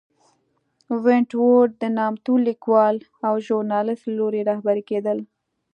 ونټ ورت د نامتو لیکوال او ژورنالېست له لوري رهبري کېدل.